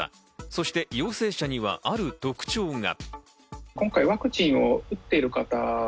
そして陽性者にはある特徴が。